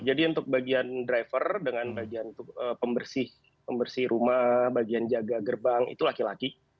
jadi untuk bagian driver dengan bagian pembersih rumah bagian jaga gerbang itu laki laki